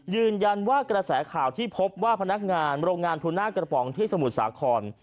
ยืนยันว่ากระแสข่าวที่พบว่าพนักงานโรงงานทูน่ากระป๋องที่สมุทรสาคร